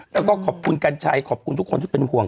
แล้วก็ขอบคุณกัญชัยขอบคุณทุกคนที่เป็นห่วง